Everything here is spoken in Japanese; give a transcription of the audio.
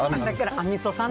アンミソさん。